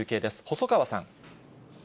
細川さん。